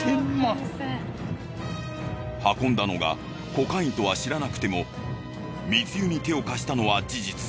運んだのがコカインとは知らなくても密輸に手を貸したのは事実。